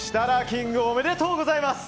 キングおめでとうございます！